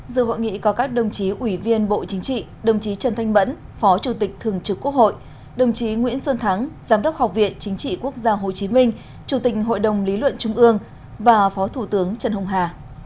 dự hội nghị có các đồng chí ủy viên bộ chính trị đồng chí trần thanh mẫn phó chủ tịch thường trực quốc hội đồng chí nguyễn xuân thắng giám đốc học viện chính trị quốc gia hồ chí minh chủ tịch hội đồng lý luận trung ương và phó thủ tướng trần hùng hà